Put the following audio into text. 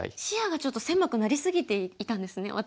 視野がちょっと狭くなり過ぎていたんですね